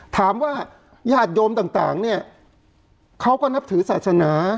ถามว่าญาติโยมต่างนี้เค้าก็นับถือศาสนา